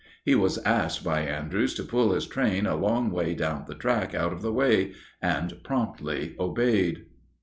He was asked by Andrews to pull his train a long way down the track out of the way, and promptly obeyed.